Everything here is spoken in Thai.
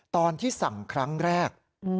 ตอนที่สั่งครั้งแรก